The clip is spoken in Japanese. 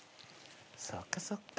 そっかそっか。